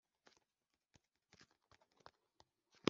icyemezo cya pisine kiri mukurya.